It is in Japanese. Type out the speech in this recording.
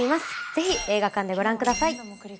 ぜひ映画館でご覧ください。